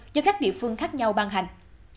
do các địa phương khác nhau ban hành